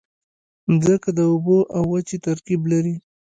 مځکه د اوبو او وچې ترکیب لري.